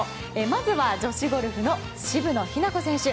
まずは女子ゴルフの渋野日向子選手。